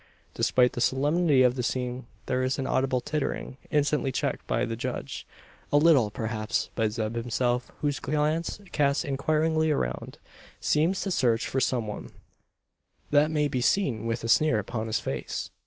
Despite the solemnity of the scene, there is an audible tittering, instantly checked by the judge; a little, perhaps, by Zeb himself, whose glance, cast inquiringly around, seems to search for some one, that may be seen with a sneer upon his face.